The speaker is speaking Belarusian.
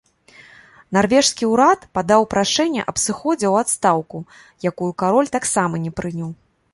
Нарвежскі ўрад падаў прашэнне аб сыходзе ў адстаўку, якую кароль таксама не прыняў.